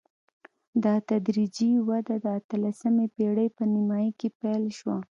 دا تدریجي وده د اتلسمې پېړۍ په نیمايي کې پیل شوه.